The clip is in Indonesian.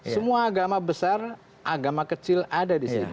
semua agama besar agama kecil ada di sini